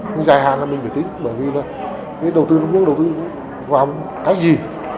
nhưng dài hạn thì mình phải tính bởi vì là cái đầu tư trung quốc đầu tư vào cái gì